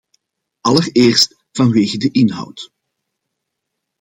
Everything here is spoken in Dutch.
Allereerst vanwege de inhoud.